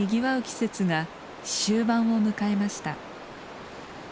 季節が終盤を迎えました。